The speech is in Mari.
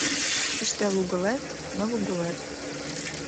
Ӱстел угылет — ныл угылет